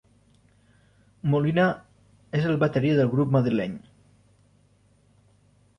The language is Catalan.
Molina és el bateria del grup madrileny.